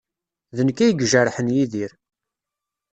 D nekk ay ijerḥen Yidir.